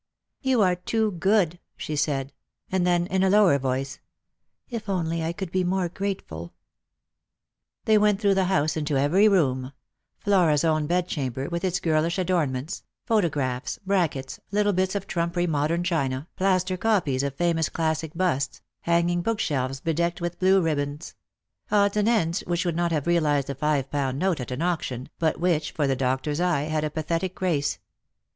" You are too good," she said ; and then in a lower voice, " If I could only be more grateful !" They went through the house, into every room — Flora's own bedchamber, with its girlish adornments — photographs, brackets, little_ bits of trumpery modern china, plaster copies of famous classic busts, hanging book shelves bedecked with blue ribbons, — odds and ends which would not have realized a five pound note at an auction, but which, for the doctor's eye, had a pathetic grace.